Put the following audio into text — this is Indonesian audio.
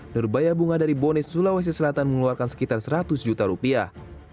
nurbaya bunga dari bones sulawesi selatan mengeluarkan sekitar seratus juta rupiah